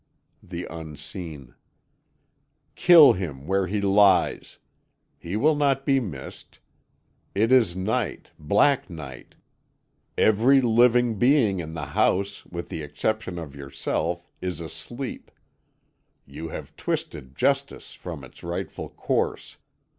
The Unseen: "Kill him where he lies! He will not be missed. It is night black night. Every living being in the house, with the exception of yourself, is asleep. You have twisted justice from its rightful course.